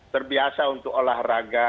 terbiasa untuk olahraga